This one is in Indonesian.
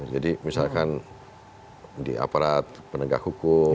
jadi misalkan di aparat penegak hukum